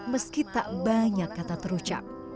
meski tak banyak kata terucap